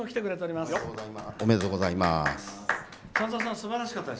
すばらしかったです。